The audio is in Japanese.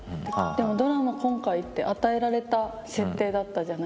でもドラマ今回って与えられた設定だったじゃないですか。